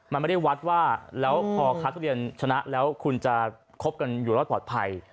มันไม่ได้วัดว่าแล้วพอค้าทุเรียนชนะแล้วคุณจะคบกันอยู่รอดปลอดภัย